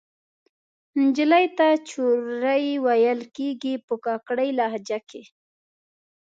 نجلۍ ته چورۍ ویل کیږي په کاکړۍ لهجه کښې